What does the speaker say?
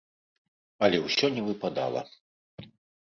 Але ўсё не выпадала.